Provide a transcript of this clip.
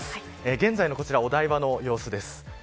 現在のお台場の様子です。